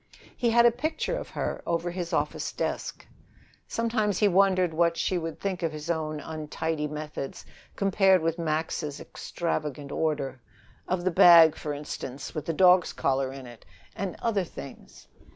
He had a picture of her over his office desk. Sometimes he wondered what she would think of his own untidy methods compared with Max's extravagant order of the bag, for instance, with the dog's collar in it, and other things.